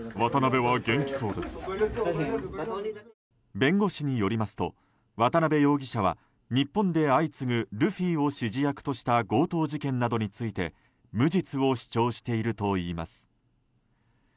弁護士によりますと渡邉容疑者は日本で相次ぐルフィを指示役とした強盗事件などについて無実を主張しているといいます。